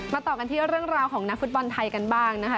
ต่อกันที่เรื่องราวของนักฟุตบอลไทยกันบ้างนะคะ